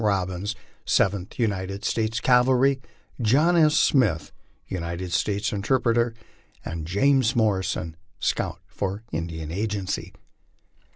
Robbins, Seventh United States Cavalry, John S. Smith, United States interpreter, and James Morrison, scout for Indian agency.